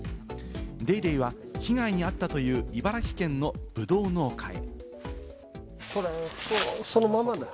『ＤａｙＤａｙ．』は被害に遭ったという茨城県のブドウ農家へ。